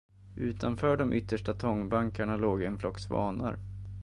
Utanför de yttersta tångbankarna låg en flock svanar.